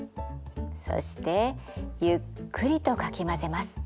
そしてゆっくりとかき混ぜます。